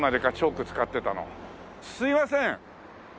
すみません！